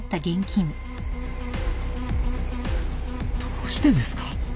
どうしてですか？